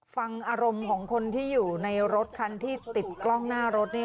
ฟังอารมณ์ที่อยู่ในรถก่อนที่ติดกล้องหน้ารถเนี้ย